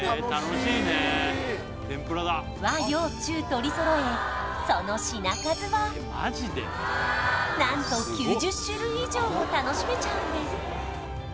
和洋中取りそろえその品数はなんと９０種類以上も楽しめちゃうんです